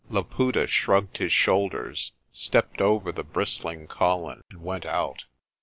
Laputa shrugged his shoulders, stepped over the bristling Colin, and went out.